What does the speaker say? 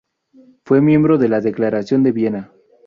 Fue miembro de la Declaración de Viena.